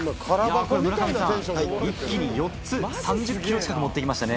村上さん一気に４つ３０ｋｇ近く持って行きましたね。